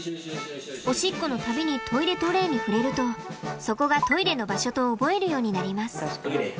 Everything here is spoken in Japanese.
おしっこの度にトイレトレーに触れるとそこがトイレの場所と覚えるようになります。